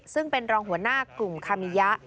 ซึ่งเป็นรองหัวหน้ากลุ่มคามิยะ